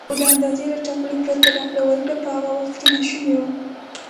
خو د اندازې له ټاکلو پرته راکړه ورکړه په هغه وخت کې ناشونې وه.